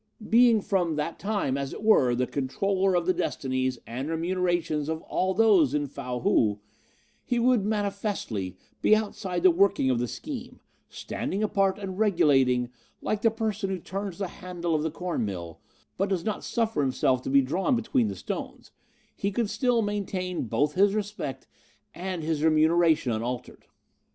Being from that time, as it were, the controller of the destinies and remunerations of all those in Fow Hou, he would, manifestly, be outside the working of the scheme; standing apart and regulating, like the person who turns the handle of the corn mill, but does not suffer himself to be drawn between the stones, he could still maintain both his respect and his remuneration unaltered.